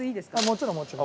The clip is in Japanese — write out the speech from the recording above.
もちろんもちろん。